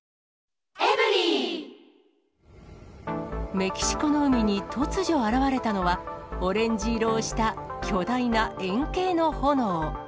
メキシコの海に突如現れたのは、オレンジ色をした巨大な円形の炎。